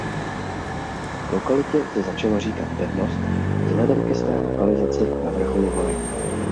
Lokalitě se začalo říkat „pevnost“ vzhledem ke své lokalizaci na vrcholu hory.